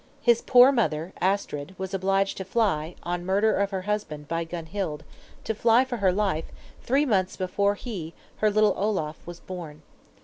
His poor mother, Astrid, was obliged to fly, on murder of her husband by Gunhild, to fly for life, three months before he, her little Olaf, was born.